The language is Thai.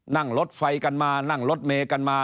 นั่งรถไฟกันมานั่งรถเมย์กันมา